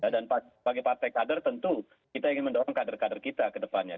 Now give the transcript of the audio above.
dan sebagai partai kader tentu kita ingin mendorong kader kader kita ke depannya